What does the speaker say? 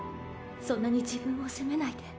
そんなに自分を責めないで。